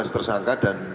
sebelas tersangka dan